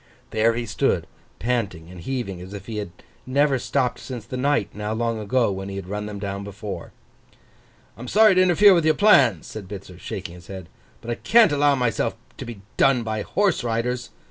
There he stood, panting and heaving, as if he had never stopped since the night, now long ago, when he had run them down before. 'I'm sorry to interfere with your plans,' said Bitzer, shaking his head, 'but I can't allow myself to be done by horse riders.